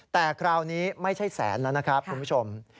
แต่คราวนี้ไม่ใช่แสนแล้วนะครับคุณผู้ชม